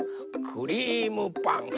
クリームパン